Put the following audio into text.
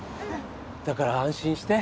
だから安心して。